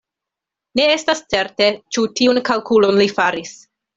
Ne estas certe, ĉu tiun kalkulon li faris.